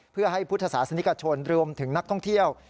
เพื่อให้พุทธศาสนิกชนรวมถึงนักท่องเที่ยว